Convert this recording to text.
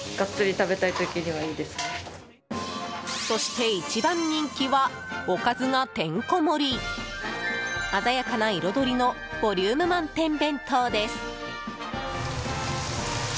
そして一番人気はおかずがてんこ盛り鮮やかな彩りのボリューム満点弁当です。